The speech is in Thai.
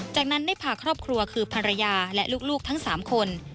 จากนั้นได้พาครอบครัวคือภรรยาและลูกทั้ง๓คน